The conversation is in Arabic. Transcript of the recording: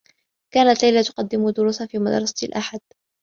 كانت ليلى تقدّم دروسا في مدرسة الأحد.